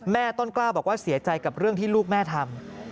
ต้นกล้าบอกว่าเสียใจกับเรื่องที่ลูกแม่ทำ